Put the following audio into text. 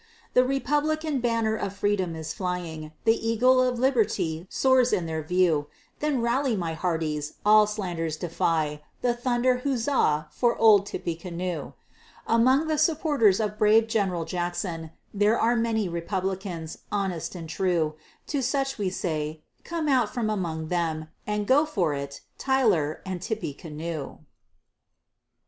The Republican banner of Freedom is flying, The Eagle of Liberty soars in your view; Then rally my hearties all slanders defying, And thunder huzza! for "Old Tippecanoe." Among the supporters of brave General Jackson, There are many Republicans, honest and true, To such we say "come out from among them," And "go it for" Tyler and "Tippecanoe."